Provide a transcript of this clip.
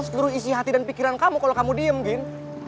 seluruh isi hati dan pikiran kamu kalau kamu diem gini